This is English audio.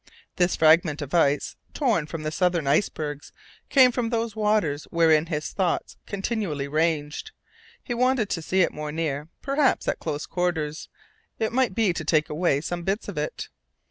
This fragment of ice, torn from the southern icebergs, came from those waters wherein his thoughts continually ranged. He wanted to see it more near, perhaps at close quarters, it might be to take away some bits of it.